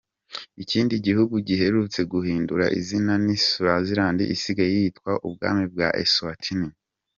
Ikindi gihugu giherutse guhindura izina ni Swaziland isigaye yitwa Ubwami bwa eSwatini.